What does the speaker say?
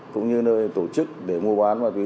cũng như nơi tổ chức để mua bán ma túy